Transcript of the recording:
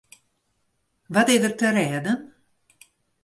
Wat is der te rêden?